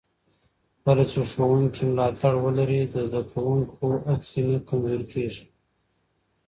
کله چې ښوونکي ملاتړ ولري، د زده کوونکو هڅې نه کمزورې کېږي.